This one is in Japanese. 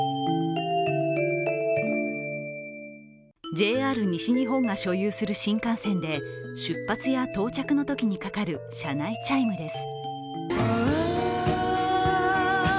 ＪＲ西日本が所有する新幹線で出発や到着のときにかかる車内チャイムです。